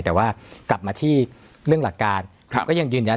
แต่ว่ากลับมาที่เรื่องหลักการก็ยังยืนยัน